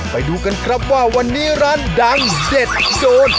ไปดูกันครับว่าวันนี้ร้านดังเด็ดโดน